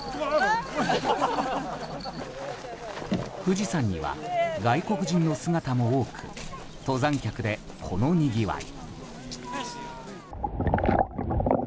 富士山には外国人の姿も多く登山客で、このにぎわい。